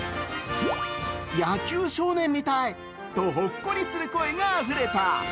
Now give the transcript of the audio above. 野球少年みたいとほっこりする声があふれた。